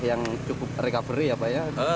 yang cukup recovery ya pak ya